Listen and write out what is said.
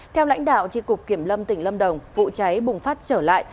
theo lãnh đạo tri cục kiểm lâm tỉnh lâm đồng vụ cháy bùng phát trở lại